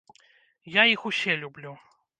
Я іх усе люблю.